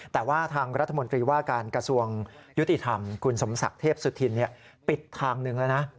แต่ว่าทางรัฐมนตรีว่าการกระทรวงยุติธรรมคุณสมศักดิ์เทพสุธินปิดทางหนึ่งแล้วนะ